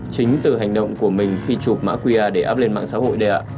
chính từ hành động của mình khi chụp mã qr để áp lên mạng xã hội đây ạ